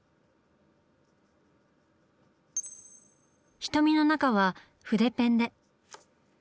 瞳の中は筆ペンで。